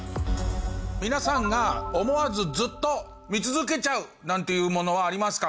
皆さんが思わずずっと見続けちゃうなんていうものはあります